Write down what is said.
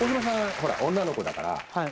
ほら女の子だからはい。